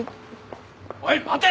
おい待て！